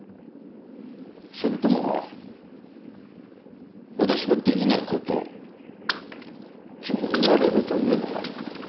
それとも私ができないことを君はやれるというのか？